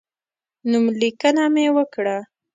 نوملیکنه مې وکړه.